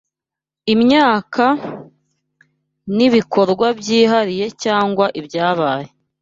imyaka, nibikorwa byihariye cyangwa ibyabaye